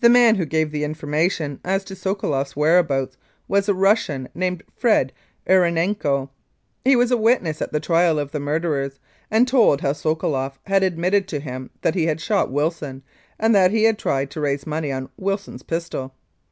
The man who gave the information as to Sokoloff 's whereabouts was a Russian named Fred Erenenko, He was a witness at the trial of the murderers, and told how Sokoloff had admitted to him that he had shot Wilson, and that he had tried to raise money on Wilson's pistol.